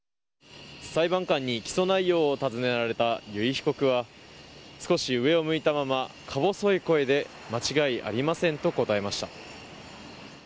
裁判官に起訴内容を尋ねられた由井被告は、少し上を向いたままか細い声で間違いありませんと答えました。